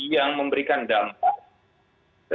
yang memberikan dampak